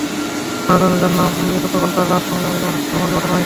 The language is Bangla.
ময়নাতদন্তের জন্য গতকাল তাঁর লাশ কুমিল্লা মেডিকেল কলেজ হাসপাতালের মর্গে পাঠানো হয়েছে।